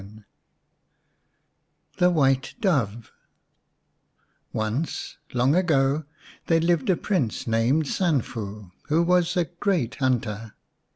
236 XX THE WHITE DOVE ONCE, long ago, there lived a Prince named Sanfu, who was a great hunter.